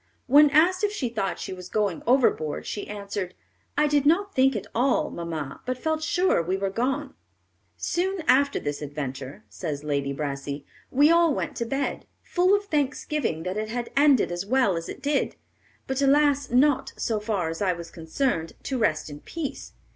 When asked if she thought she was going overboard, she answered, "I did not think at all, mamma, but felt sure we were gone." "Soon after this adventure," says Lady Brassey, "we all went to bed, full of thanksgiving that it had ended as well as it did; but, alas, not, so far as I was concerned, to rest in peace.